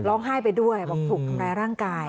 ร้องไห้ไปด้วยบอกถูกทำร้ายร่างกาย